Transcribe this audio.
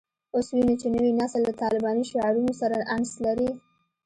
اوس وینو چې نوی نسل له طالباني شعارونو سره انس لري